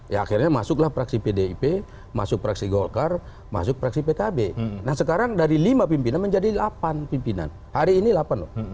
ya akhirnya masuklah praksi pdip masuk praksi golkar masuk praksi pkb nah sekarang dari lima pimpinan menjadi delapan pimpinan hari ini delapan loh